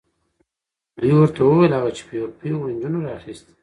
دوی ورته وویل هغه چې پیغلو نجونو راخیستې.